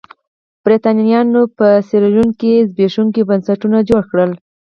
برېټانویانو په سیریلیون کې زبېښونکي بنسټونه جوړ کړل.